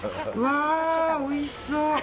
おいしそう！